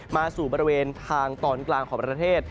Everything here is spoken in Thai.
มาสู่บริเวณทางตอนกลางของประเทศ